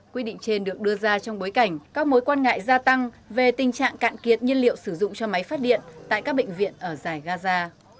quy định trên được đưa ra trong bối cảnh các mối quan ngại gia tăng về tình trạng cạn kiệt nhiên liệu sử dụng cho máy phát điện tại các bệnh viện ở giải gaza